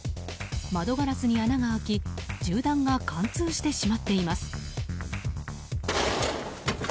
窓ガラスに穴が開き銃弾が貫通してしまっています。